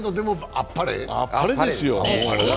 あっぱれですよ。